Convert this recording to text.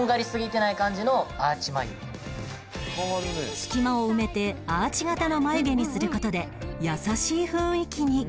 隙間を埋めてアーチ形の眉毛にする事で優しい雰囲気に